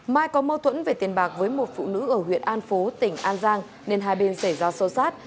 mai có mâu thuẫn về tiền bạc với một phụ nữ ở huyện an phố tỉnh an giang nên hai bên xảy ra sâu sát